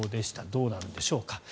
どうなんでしょうか。